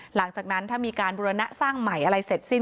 หลังจากนั้นถ้ามีการบุรณะสร้างใหม่อะไรเสร็จสิ้น